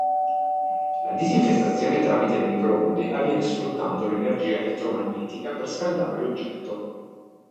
La disinfestazione tramite le Microonde avviene sfruttando l'energia elettromagnetica per scaldare l'oggetto.